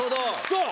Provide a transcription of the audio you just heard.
そう！